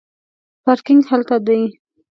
پارکینګ هلته دی